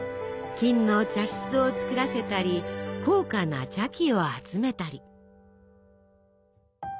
金の茶室を作らせたり高価な茶器を集めたり。